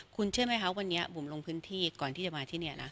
คุณเชื่อไหมคะวันนี้บุ๋มลงพื้นที่ก่อนที่จะมาที่นี่นะ